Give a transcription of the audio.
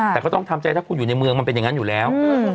แต่ก็ต้องทำใจถ้าคุณอยู่ในเมืองมันเป็นอย่างนั้นอยู่แล้ว